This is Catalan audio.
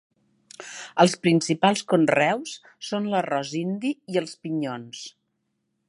Els principals conreus són l'arròs indi i els pinyons.